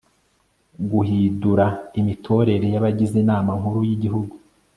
guhidura imitorere y'abagize inama nkuru y'igihugu